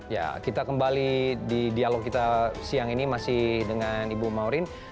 ya kita kembali di dialog kita siang ini masih dengan ibu maurin